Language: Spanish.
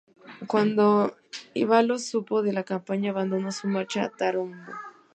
Cuando Ivailo supo lo de la campaña abandonó su marcha a Tarnovo.